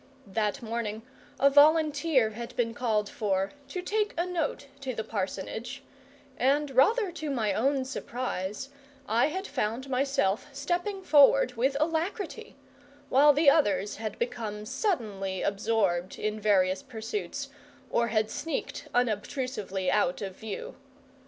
That morning a volunteer had been called for, to take a note to the Parsonage, and rather to my own surprise I had found myself stepping forward with alacrity, while the others had become suddenly absorbed in various pursuits, or had sneaked unobtrusively out of view.